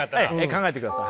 考えてください